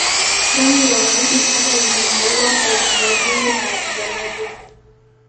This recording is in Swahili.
Rangi ya waridi hata yenye maua haidharauliwi na wapiganaji